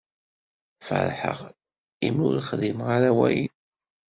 Feṛḥeɣ imi ur xdimeɣ ara wayen.